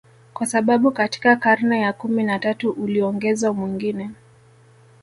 kwa sababu katika karne ya kumi na tatu uliongezwa mwingine